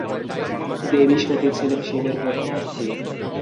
দেবী সতী ছিলেন শিবের প্রথমা স্ত্রী।